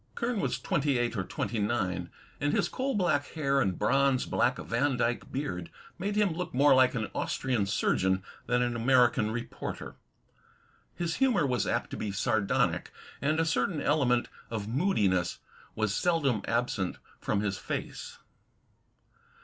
Kern was twenty eight or twenty nine; and his coal black hair and bronze black Vandyke beard made him look more like an Austrian surgeon than an American reporter. His humor was apt to be sardonic; and a certain element of moodiness was seldom absent from his face.